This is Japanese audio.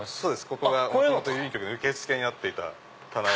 ここが元々郵便局の受け付けになっていた棚を。